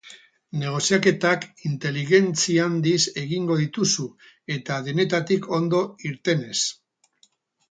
Negoziaketak inteligentzi handiz egingo dituzu eta denetatik ondo irtenez.